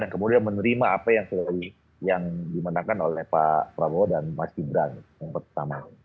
dan kemudian menerima apa yang dimandangkan oleh pak prabowo dan mas gibran yang pertama